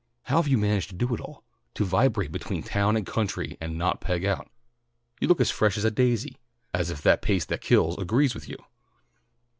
How have you managed to do it all? To vibrate between town and country and not peg out. You look as fresh as a daisy; as if the pace that kills agrees with you."